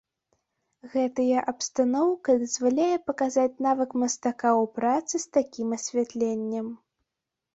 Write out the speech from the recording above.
Гэтая абстаноўка дазваляе паказаць навык мастака ў працы з такім асвятленнем.